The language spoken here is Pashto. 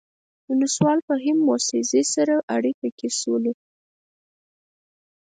ولسوال فهیم موسی زی سره اړیکه کې شولو.